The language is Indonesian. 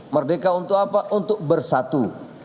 merdeka untuk apa untuk bersatu